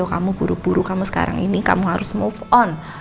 kamu buru buru kamu sekarang ini kamu harus move on